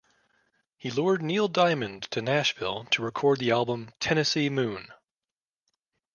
He lured Neil Diamond to Nashville to record the album "Tennessee Moon".